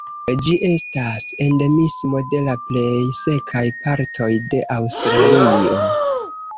Ĝi estas endemismo de la plej sekaj partoj de Aŭstralio.